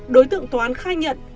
đối tượng toán khai nhận